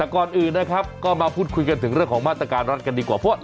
ก่อนอื่นนะครับก็มาพูดคุยกันถึงเรื่องมาตรกาลดูก่อนดีกว่า